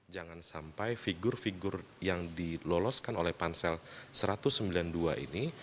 jangan sampai figur figur yang diloloskan oleh pansel satu ratus sembilan puluh dua ini